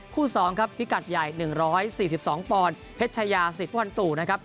คู่๒ครับพิกัดใหญ่๑๔๒ปเพชยา๑๐วันตู่นะครับ